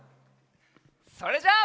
それじゃあ。